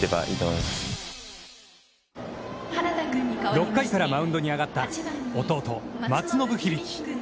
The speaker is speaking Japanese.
６回からマウンドに上がった弟・松延響。